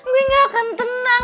gue gak akan tenang